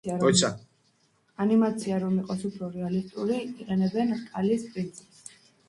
ანიმაცია რომ იყოს უფრო რეალისტური იყენებენ რკალის პრინციპს.